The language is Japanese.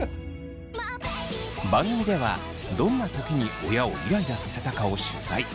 番組ではどんな時に親をイライラさせたかを取材。